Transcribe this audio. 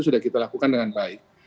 sudah kita lakukan dengan baik